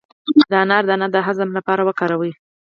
د انار دانه د هضم لپاره وکاروئ